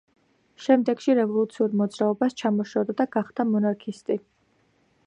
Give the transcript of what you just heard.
შემდეგში რევოლუციურ მოძრაობას ჩამოშორდა და გახდა მონარქისტი.